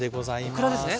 オクラですね。